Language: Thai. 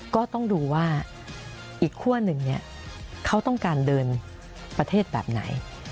ก็ต้องดูว่าอีกขั้วหนึ่งเนี่ยเขาต้องการเดินประเทศแบบไหน